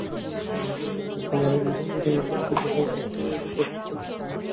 নতুন যে বাড়িটা সে ভাড়া নিয়েছে সেখানকার কিছু কুসংস্কার ওর ওপর সম্প্রতি ভর করেছে।